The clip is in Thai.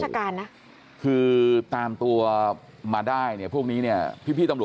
จะแจ้งคอหาแบบทะเลาะวิวากรรปุ๊บนี้ไม่กลัวล่ะ